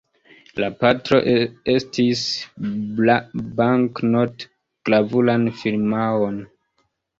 La patro estris banknot-gravuran firmaon.